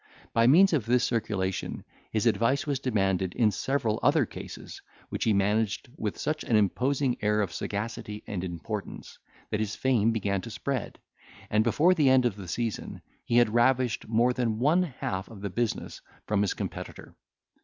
By means of this circulation, his advice was demanded in several other cases, which he managed with such an imposing air of sagacity and importance, that his fame began to spread, and before the end of the season, he had ravished more than one half of the business from his competitor.